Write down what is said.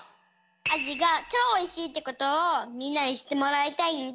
アジがチョおいしいってことをみんなにしってもらいたいんだ。